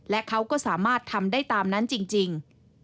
และเขาก็สามารถทำได้ตามนั้นจริง